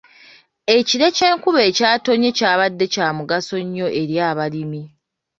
Ekire ky'enkuba ekyatonnye kyabadde kya mugaso nnyo eri abalimi.